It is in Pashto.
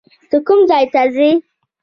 ته کوم ځای ته ځې؟